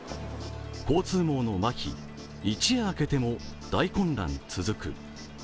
交通網のまひ、一夜明けても大混乱続く。